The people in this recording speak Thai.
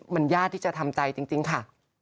มันยากที่จะทำใจจริงค่ะ